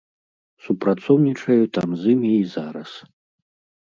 Супрацоўнічаю там з імі і зараз.